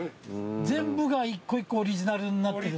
全部が１個１個オリジナルになってるんすね。